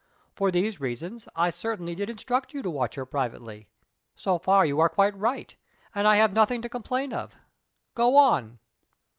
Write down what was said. For these reasons, I certainly did instruct you to watch her privately. So far you are quite right; and I have nothing to complain of. Go on."